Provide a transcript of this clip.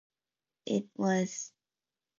It was dubbed "troff", for "typesetter roff".